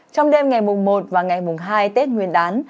trong đêm ngày mùng một và ngày mùng hai tết nguyên đán